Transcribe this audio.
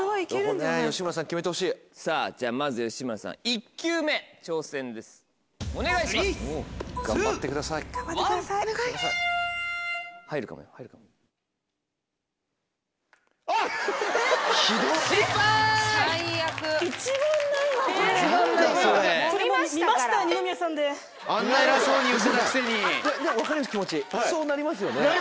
気持ちそうなりますよね。